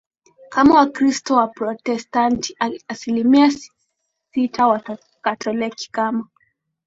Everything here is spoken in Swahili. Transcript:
kama Wakristo Waprotestanti asilimia sita Wakatoliki kama